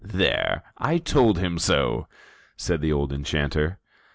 "There, I told him so!" said the old enchanter.